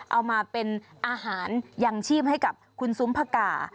เอามาเป็นอาหารยังชีพให้กับคุณซุ้มพกา